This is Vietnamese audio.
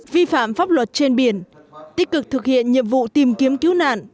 vi phạm pháp luật trên biển tích cực thực hiện nhiệm vụ tìm kiếm cứu nạn